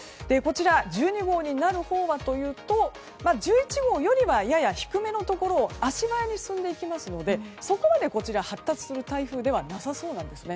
１２号になるほうはというと１１号よりはやや低めのところを足早に進んでいきますのでそこまで発達する台風ではなさそうなんですね。